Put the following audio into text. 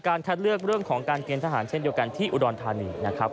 คัดเลือกเรื่องของการเกณฑหารเช่นเดียวกันที่อุดรธานีนะครับ